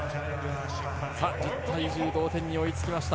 １０対１０と同点に追いつきました。